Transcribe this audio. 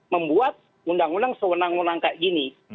membuat undang undang sewenang wenang kayak gini